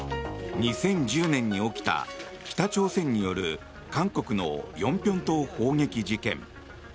２０１０年に起きた北朝鮮による韓国の延坪島砲撃事件。